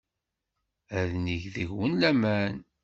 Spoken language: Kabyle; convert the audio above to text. Ad neg deg-wen laman.